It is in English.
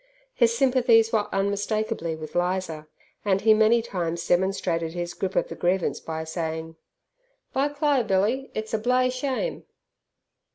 His sympathies were unmistakably with Lizer, and he many times demonstrated his grip of the grievance by saying, "By Cli' Billy, it's a bloo'y shame!"